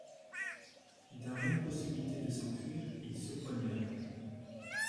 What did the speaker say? Dans l'impossibilité de s'enfuir, il se poignarde.